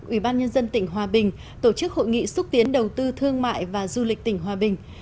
ubnd tỉnh hòa bình tổ chức hội nghị xúc tiến đầu tư thương mại và du lịch tỉnh hòa bình